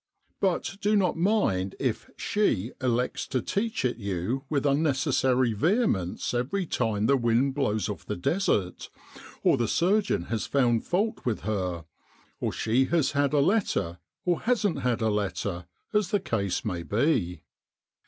But do not mind if ' She ' elects to teach it you with unnecessary vehemence every time the wind blows off the Desert, or the surgeon has found fault with her; or she has had a letter, or hasn't had a letter, as the case may be.